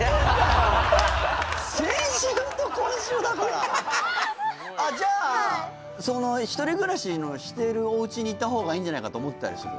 先週と今週だからあっじゃあその一人暮らししてるお家に行った方がいいんじゃないかと思ったりする？